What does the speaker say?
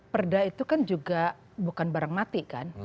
perda itu kan juga bukan barang mati kan